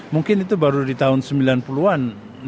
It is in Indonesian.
mungkin itu baru di tahun sembilan puluh an